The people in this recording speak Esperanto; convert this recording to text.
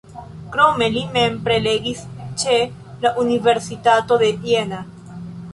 Krome li mem prelegis ĉe la Universitato de Jena.